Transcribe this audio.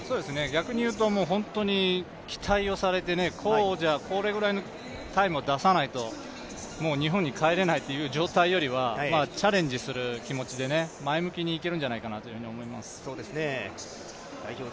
逆に言うと、期待をされて、これぐらいのタイムを出さないと日本に帰れないという状態よりはチャレンジする気持ちで前向きにいけるんじゃないかなと思います。